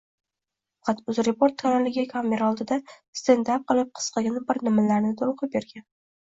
faqat Uzreport kanaliga kamera oldida «stendap» qilib qisqagina bir nimalarnidir o‘qib bergan.